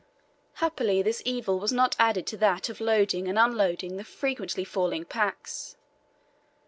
Happily this evil was not added to that of loading and unloading the frequently falling packs.